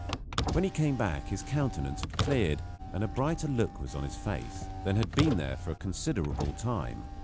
When he came back his countenance had cleared and a brighter look was on his face than had been there for a considerable time.